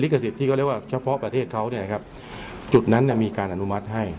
ขสิทธิ์ที่เขาเรียกว่าเฉพาะประเทศเขาเนี่ยนะครับจุดนั้นมีการอนุมัติให้